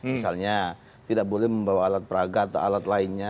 misalnya tidak boleh membawa alat peraga atau alat lainnya